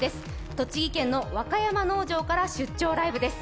栃木県の若山農場から「出張ライブ！」です。